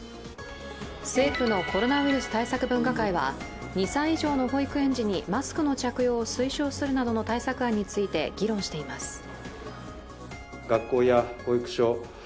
政府のコロナウイルス対策分科会は２歳以上の保育園児にマスクの着用を推奨するなどの対策案について議論しています。